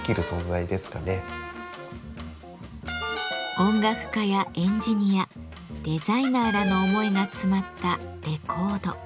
音楽家やエンジニアデザイナーらの思いが詰まったレコード。